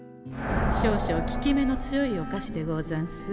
少々効き目の強いお菓子でござんす。